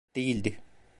Değildi.